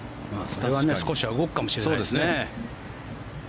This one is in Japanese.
それは少しは動くかもしれないですね。